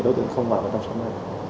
đối tượng không vào bên trong sân bay